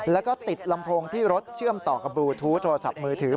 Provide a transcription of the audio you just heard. แล้วก็ติดลำโพงที่รถเชื่อมต่อกับบลูทูธโทรศัพท์มือถือ